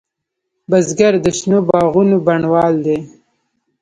بزګر د شنو باغونو بڼوال دی